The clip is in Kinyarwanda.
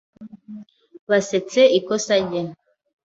Basetse ikosa rye.